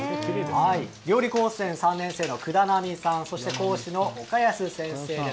料理高専３年生の管波さん、そして講師の岡安先生です。